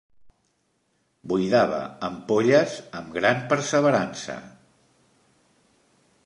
Buidava ampolles amb gran perseverança.